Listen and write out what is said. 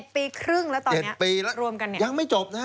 ๑๑ปีครึ่งแล้วตอนนี้รวมกันเนี่ยยังไม่จบนะ